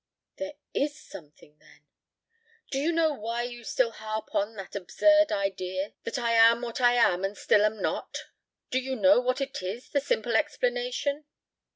"There is something then?" "Do you know why you still harp on that absurd idea that I am what I am and still am not? Do you not know what it is the simple explanation?"